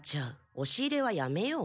おし入れはやめよう。